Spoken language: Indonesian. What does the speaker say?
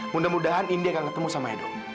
mudah mudahan india akan ketemu sama edo